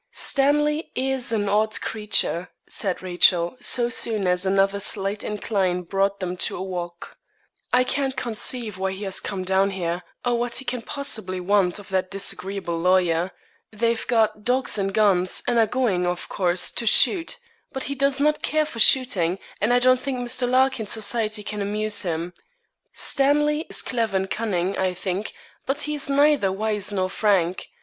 'Stanley is an odd creature,' said Rachel, so soon as another slight incline brought them to a walk; 'I can't conceive why he has come down here, or what he can possibly want of that disagreeable lawyer. They have got dogs and guns, and are going, of course, to shoot; but he does not care for shooting, and I don't think Mr. Larkin's society can amuse him. Stanley is clever and cunning, I think, but he is neither wise nor frank.